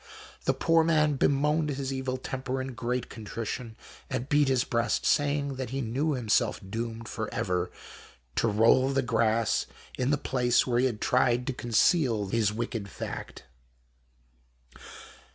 The poor man bemoaned his evil temper in great contrition, and beafot his breast, saying that he knew himseilf doomed for ever to roll the grass in tlie place where he had tried to conceal hm wicked fact.